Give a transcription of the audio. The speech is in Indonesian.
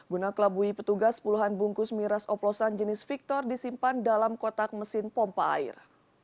guna kelabui petugas puluhan bungkus miras oplosan jenis victor disimpan dalam kotak mesin pompa air